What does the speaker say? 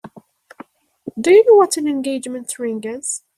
Do you know what an engagement ring is?